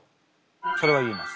それは言えます。